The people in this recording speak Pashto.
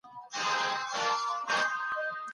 په ځيني خاصو وختونو کي الله تعالی تخفيف کړی دی.